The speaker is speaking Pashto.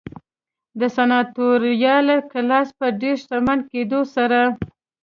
د سناتوریال کلاس په ډېر شتمن کېدو سره